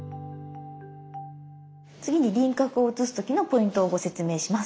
次に輪郭を写す時のポイントをご説明します。